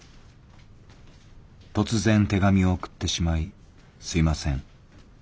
突然手紙を送ってしまいすみません。